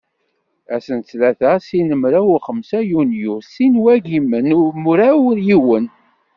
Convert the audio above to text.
Ass n ttlata sin mraw u xemsa yunyu sin n wagimen u mraw yiwen.